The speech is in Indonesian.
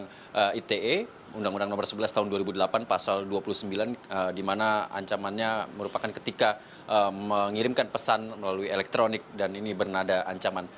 undang undang ite undang undang nomor sebelas tahun dua ribu delapan pasal dua puluh sembilan di mana ancamannya merupakan ketika mengirimkan pesan melalui elektronik dan ini bernada ancaman